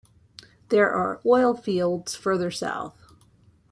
There are oil fields further south.